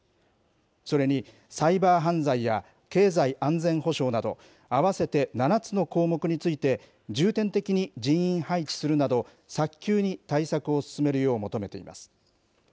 それに、サイバー犯罪や経済安全保障など、合わせて７つの項目について、重点的に人員配置するなど、早急に対策を進めるよう求めています。